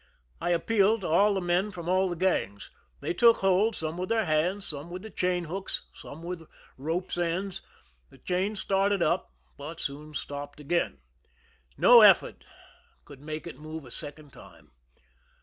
I ap pealed to all the men from all the gangs. They took hold, some with their hands, some with the chain hooks, some ^^ith ropes' ends. The chain started up, but soon sijopped again. No effort could make it move a second time.